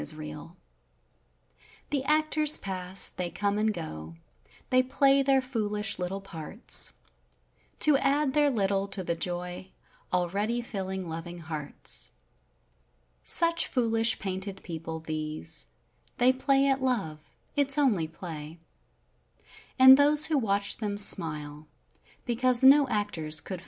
I I The actors pass, they come and go, they play their foolish little parts. To add their little to the joy already fill¬ ing loving hearts; Such foolish, painted people play at love—it's And those who watch cause no actors c they.